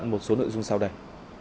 một số nội dung sau đây